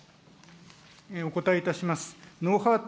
お答えいたします。